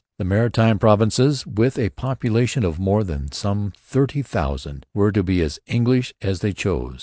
The Maritime Provinces, with a population of some thirty thousand, were to be as English as they chose.